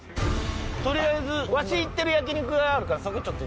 とりあえずわし行ってる焼き肉屋あるからそこちょっと。